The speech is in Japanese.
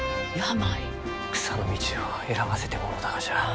草の道を選ばせてもろうたがじゃ。